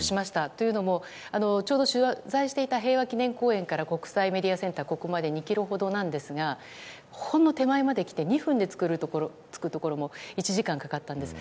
というのもちょうど取材していた平和記念公園から国際メディアセンターまでここまで２ｋｍほどなんですがほんの手前まで来て２分で着くところも１時間かかったんです。